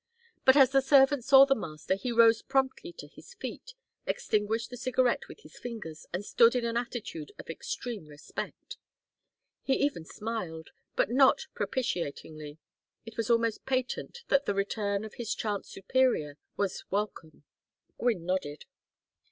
But as the servant saw the master he rose promptly to his feet, extinguished the cigarette with his fingers, and stood in an attitude of extreme respect. He even smiled, but not propitiatingly; it was almost patent that the return of his chance superior was welcome. Gwynne nodded.